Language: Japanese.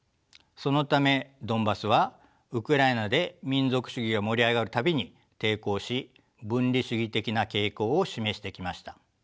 そのためドンバスはウクライナで民族主義が盛り上がる度に抵抗し分離主義的な傾向を示してきました。